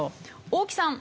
大木さん。